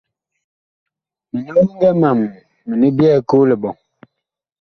Mini oŋgɛ mam mini nga byɛɛ koo liɓɔŋ.